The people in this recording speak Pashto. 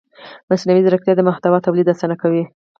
مصنوعي ځیرکتیا د محتوا تولید اسانه کوي.